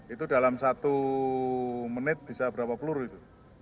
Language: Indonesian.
itu dalam satu menit bisa berapa peluru itu